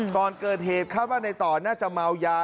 ก่อนเกิดเหตุคาดว่าในต่อน่าจะเมายา